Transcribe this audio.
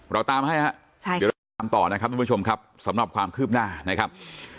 เราตามให้นะครับเดี๋ยวเราตามต่อนะครับทุกผู้ชมครับสำหรับความคืบหน้านะครับ